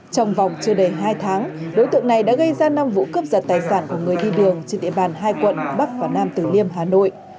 trong vòng chưa đầy hai tháng đối tượng này đã gây ra năm vụ cướp giật tài sản của người đi đường trên địa bàn hai quận bắc và nam tử liêm hà nội